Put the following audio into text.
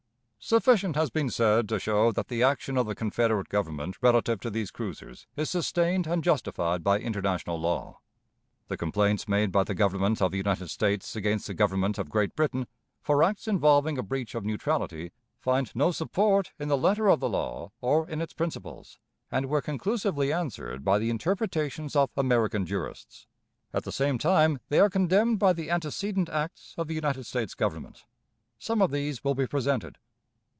Sufficient has been said to show that the action of the Confederate Government relative to these cruisers is sustained and justified by international law. The complaints made by the Government of the United States against the Government of Great Britain for acts involving a breach of neutrality find no support in the letter of the law or in its principles, and were conclusively answered by the interpretations of American jurists. At the same time they are condemned by the antecedent acts of the United States Government. Some of these will be presented.